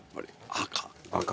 赤？